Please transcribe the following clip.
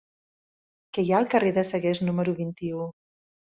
Què hi ha al carrer de Sagués número vint-i-u?